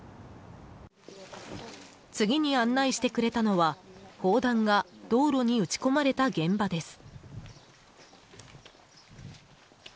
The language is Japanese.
次に案内してくれたのは、砲弾が道路に撃ち込まれた現場です。